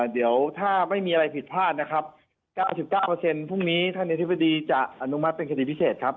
เดี๋ยวถ้าไม่มีอะไรผิดพลาดนะครับ๙๙พรุ่งนี้ท่านอธิบดีจะอนุมัติเป็นคดีพิเศษครับ